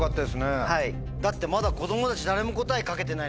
だってまだ。